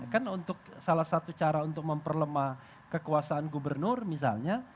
kan untuk salah satu cara untuk memperlemah kekuasaan gubernur misalnya